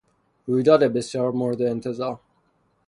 رویداد بسیار مورد انتظار